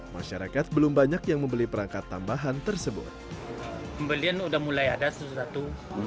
masyarakat belum banyak yang membeli perangkat tambahan tersebut pembelian udah mulai ada sesuatu